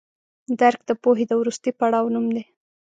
درک د پوهې د وروستي پړاو نوم دی.